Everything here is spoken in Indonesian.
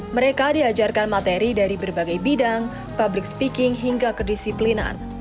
mereka diajarkan materi dari berbagai bidang public speaking hingga kedisiplinan